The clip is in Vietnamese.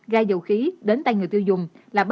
dầu khí đến tay người tiêu dùng